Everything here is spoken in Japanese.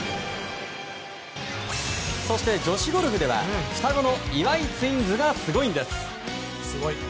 そして女子ゴルフでは、双子の岩井ツインズがすごいんです。